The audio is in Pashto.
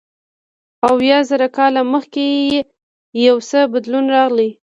اویا زره کاله مخکې یو څه بدلون راغی.